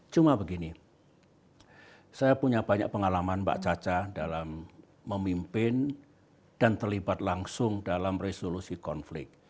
cuma begini saya punya banyak pengalaman mbak caca dalam memimpin dan terlibat langsung dalam resolusi konflik